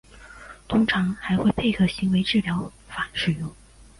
通常还会配合行为治疗法使用。